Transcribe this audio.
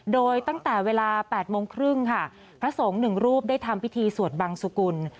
โดยตั้งแต่เวลา๘โมงครึ่งค่ะพระสงฆ์หนึ่งรูปได้ทำพิธีสวดบังสุกุล